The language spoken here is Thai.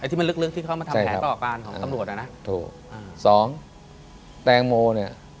ไอ้ที่มันลึกลึกที่เขามาทำแผลต่ออาการของกำลูกนะถูกอ่าสองแตงโมเนี่ย